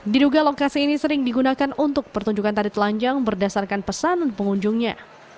diduga lokasi ini sering digunakan untuk pertunjukan tari telanjang berdasarkan pesanan pengunjungnya